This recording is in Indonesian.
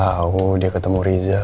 saya tau dia ketemu riza